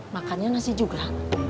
makannya nasi juga